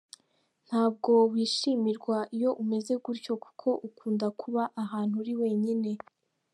Ntabwo wishimirwa iyo umeze gutyo kuko ukunda kuba ahantu uri wenyine.